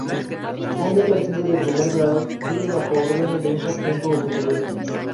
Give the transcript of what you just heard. Un "detective de primer grado" sigue bajo órdenes de un sargento o superior.